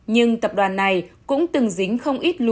nhưng tập đoàn này cũng từng dính không ít lý do